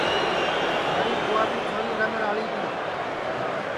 مھاری بھُوئا کی چھوری رنگ راݪی گی